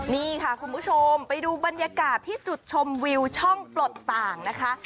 นี่ค่ะคุณผู้ชมไปดูบรรยากาศที่จุดชมวิวช่องปลดต่างนะคะ